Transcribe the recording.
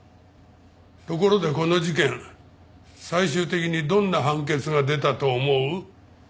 ところでこの事件最終的にどんな判決が出たと思う？